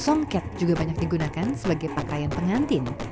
songket juga banyak digunakan sebagai pakaian pengantin